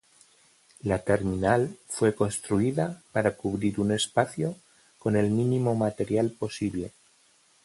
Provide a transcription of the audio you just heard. La terminal fue construida para cubrir un espacio con el mínimo material posible.